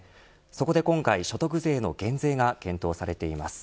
そこで今回、所得税の減税が検討されています。